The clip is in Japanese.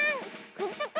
くっつく！